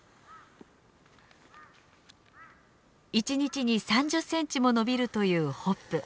１日に３０センチも伸びるというホップ。